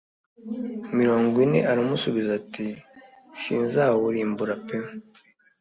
mirongo ine Aramusubiza ati Sinzawurimbura pe